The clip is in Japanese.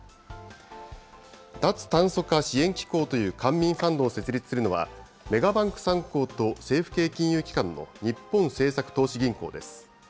脱炭素化支援機構という官民ファンドを設立するのは、メガバンク３行と政府系金融機関の日本政策投資銀行です。